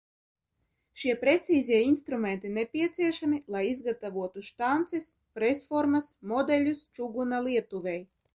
Šie precīzie instrumenti nepieciešami, lai izgatavotu štances, presformas, modeļus čuguna lietuvei.